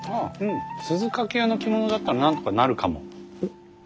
鈴懸屋の着物だったらなんとかなるかも。